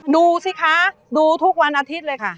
ดูสิคะดูทุกวันอาทิตย์เลยค่ะ